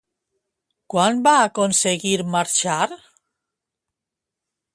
Quan va aconseguir marxar?